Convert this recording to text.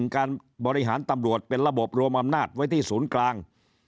การบริหารตำรวจเป็นระบบรวมอำนาจไว้ที่ศูนย์กลาง